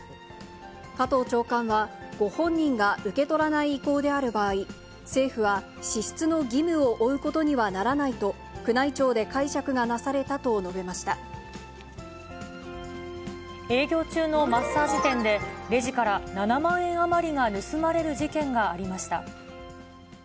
加藤長官は、ご本人が受け取らない意向である場合、政府は支出の義務を負うことにはならないと、宮内庁で解釈がなさ営業中のマッサージ店で、レジから７万円余りが盗まれる事件がありました。